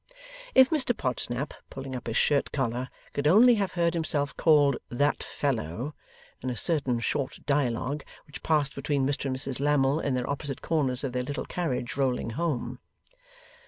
If Mr Podsnap, pulling up his shirt collar, could only have heard himself called 'that fellow' in a certain short dialogue, which passed between Mr and Mrs Lammle in their opposite corners of their little carriage, rolling home!